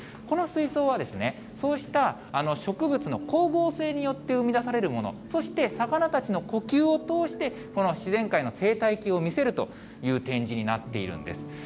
この水槽はですね、そうした植物の光合成によって生み出されるもの、そして魚たちの呼吸を通して、この自然界の生態系を見せるという展示になっているんです。